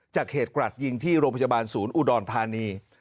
จากเหตุกราดยิงที่โรงพยาบาลศูนย์อุดรธานี